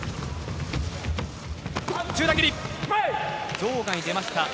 場外へ出ました。